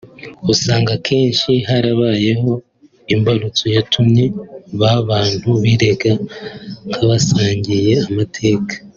usanga akenshi harabaheyo imbarutso yatumye ba bantu birebaga nk’abasangiye amateka